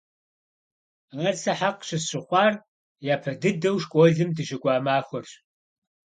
Ар сэ хьэкъ щысщыхъуар япэ дыдэу школым дыщыкӀуа махуэрщ.